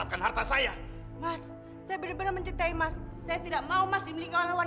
pak ini atun